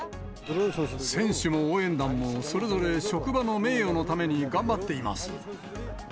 選手も応援団も、それぞれ職場の名誉のために頑張っています。